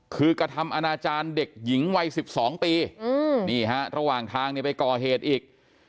คือกระทำอนาจารย์เด็กหญิงวัย๑๒ปีนี่ฮะระหว่างทางเนี่ยไปก่อเหตุอีก